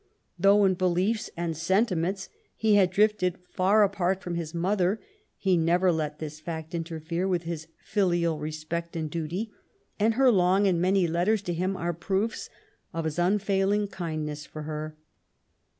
Though in beliefs and sentiments he had drifted far apart from his mother, he never let this fact interfere with his filial respect and duty ; and her long and many letters to him are proofs of his unfailing kindness for her.